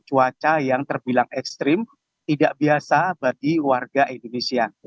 cuaca yang terbilang ekstrim tidak biasa bagi warga indonesia